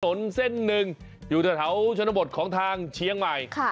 ถนนเส้นหนึ่งอยู่แถวชนบทของทางเชียงใหม่